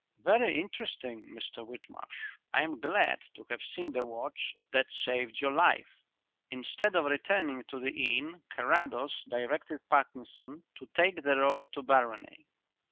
Very interesting, Mr Whitmarsh. I am glad to have seen the watch that saved your life." Instead of returning to the inn Carrados directed Parkinson to take the road to Barony.